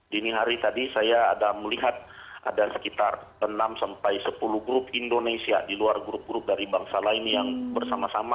dini hari tadi saya ada melihat ada sekitar enam sampai sepuluh grup indonesia di luar grup grup dari bangsa lain yang bersama sama